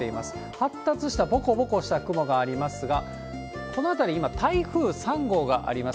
発達したぼこぼこした雲がありますが、この辺り、今、台風３号があります。